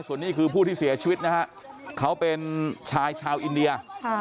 ส่วนนี้คือผู้ที่เสียชีวิตนะฮะเขาเป็นชายชาวอินเดีย